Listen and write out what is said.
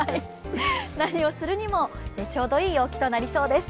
何するにもちょうどいい陽気となりそうです。